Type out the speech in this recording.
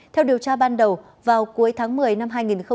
theo điều tra ban đầu vào cuối tháng một mươi năm hai nghìn hai mươi ba